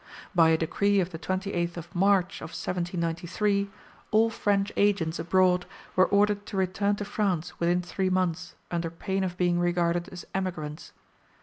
By a decree of the 28th of March of 1793, all French agents abroad were ordered to return to France, within three months, under pain of being regarded as emigrants.